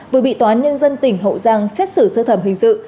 vừa bị tòa nhân dân tỉnh hậu giang xét xử sơ thẩm hình dự